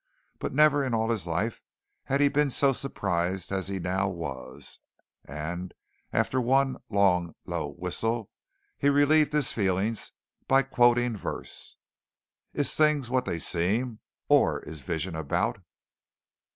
But never in all his life had he been so surprised as he now was, and after one long, low whistle he relieved his feelings by quoting verse: "Is things what they seem? Or is visions about?